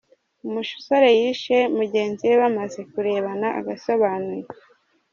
Umusore yishe mugenzi we bamaze kurebana agasobanuye